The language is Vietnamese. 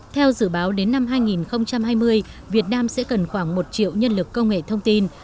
theo dự báo đến năm hai nghìn hai mươi việt nam sẽ cần khoảng một triệu nhân lực công nghệ thông tin